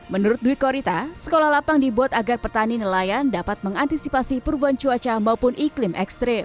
menurut dwi korita sekolah lapang dibuat agar petani nelayan dapat mengantisipasi perubahan cuaca maupun iklim ekstrim